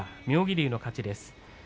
妙義龍の勝ちです。